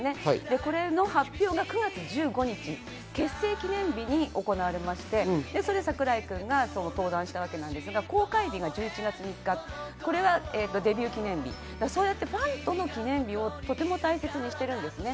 これの発表が９月１５日結成記念日に行われまして、櫻井くんが登壇したわけなんですが公開日がデビュー記念日、ファンとの記念日をとても大切にされているんですね。